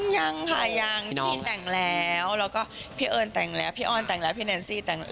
ยังค่ะยังพี่แต่งแล้วแล้วก็พี่เอิญแต่งแล้วพี่ออนแต่งแล้วพี่แนนซี่แต่งแล้ว